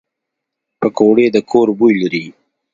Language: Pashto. پکورې د کور بوی لري